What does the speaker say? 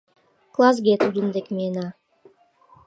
Классге тудын дек миена.